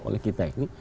oleh kita ini